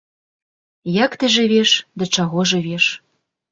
Як ты жывеш, да чаго жывеш?